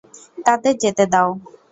তাদের যেতে দাও।